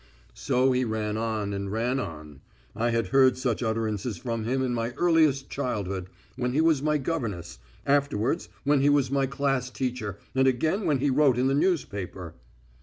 So he ran on and ran on. I had heard such utterances from him in my earliest childhood, when he was my governess, afterwards when he was my class teacher, and again when he wrote in the newspaper.